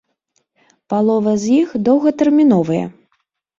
Палова з іх доўгатэрміновыя.